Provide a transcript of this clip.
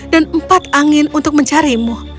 dan empat angin untuk mencarimu